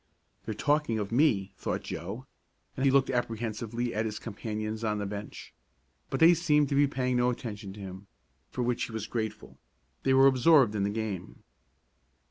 "They're talking of me," thought Joe, and he looked apprehensively at his companions on the bench, but they seemed to be paying no attention to him, for which he was grateful. They were absorbed in the game.